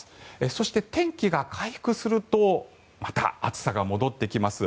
そして、天気が回復するとまた暑さが戻ってきます。